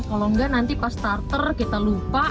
kalau enggak nanti pas starter kita lupa